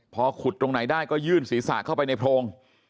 พอขุดตรงไหนได้ก็ยื่นศีรษะเข้าไปในโพรง